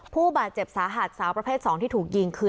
ผู้บาดเจ็บสาหัสสาวประเภท๒ที่ถูกยิงคือ